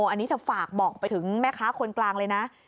อันนี้เธอฝากบอกไปถึงแม่ค้าคนกลางเลยนะ